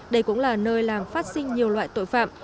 đây cũng là nơi làm phát sinh nhiều loại tội phạm